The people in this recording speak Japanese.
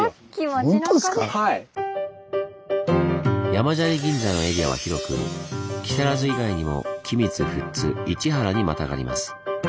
山砂利銀座のエリアは広く木更津以外にも君津富津市原にまたがります。